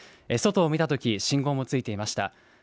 外を見たとき信号もついていました。